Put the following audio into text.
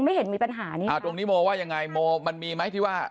ไม่เห็นมีปัญหานี้อ่าตรงนี้โมว่ายังไงโมมันมีไหมที่ว่า